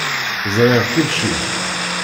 Zṛiɣ kulci.